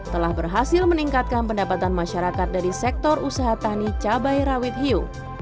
telah berhasil meningkatkan pendapatan masyarakat dari sektor usaha tani cabai rawit hiu